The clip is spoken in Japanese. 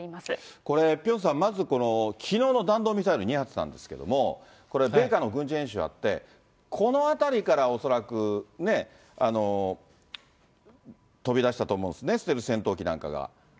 これピョンさん、まずきのうの弾道ミサイル２発なんですけれども、これ、米韓の軍事演習あって、この辺りから恐らく飛び出したと思うんですね、ステルス戦闘機なんかが。